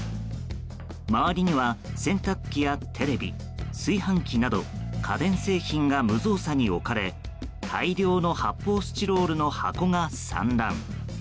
周りには洗濯機やテレビ、炊飯器など家電製品が無造作に置かれ大量の発泡スチロールの箱が散乱。